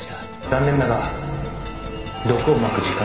「残念だが毒をまく時間だ」